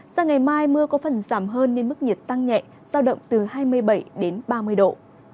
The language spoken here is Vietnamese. sang ngày mai mưa có phần giảm hơn nên mức nhiệt tăng nhẹ giao động từ hai mươi bảy đến ba mươi độ